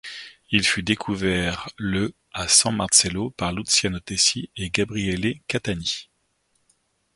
Il fut découvert le à San Marcello par Luciano Tesi et Gabriele Cattani.